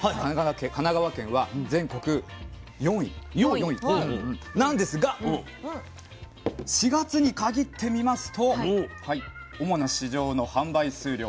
神奈川県は全国４位なんですが４月に限ってみますと主な市場の販売数量